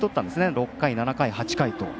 ６回、７回、８回と。